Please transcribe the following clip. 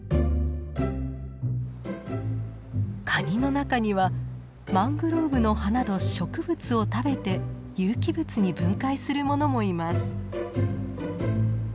カニの中にはマングローブの葉など植物を食べて有機物に分解するものもいます。